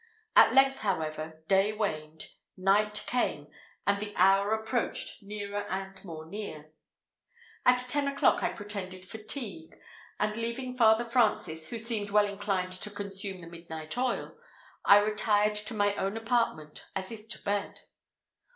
At length, however, day waned, night came, and the hour approached nearer and more near. At ten o'clock I pretended fatigue, and leaving Father Francis, who seemed well inclined to consume the midnight oil, I retired to my apartment as if to bed.